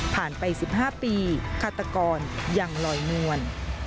ผ่านไป๑๕ปีฆาตกรยังลอยมวล